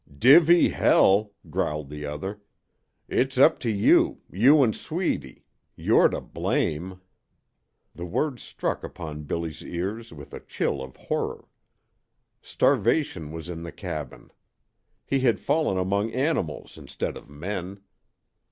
"Divvy hell!" growled the other. "It's up to you you 'n' Sweedy. You're to blame!" You're to blame! The words struck upon Billy's ears with a chill of horror. Starvation was in the cabin. He had fallen among animals instead of men.